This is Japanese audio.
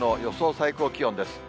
最高気温です。